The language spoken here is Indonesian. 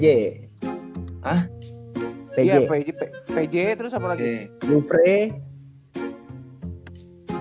iya pj terus apa lagi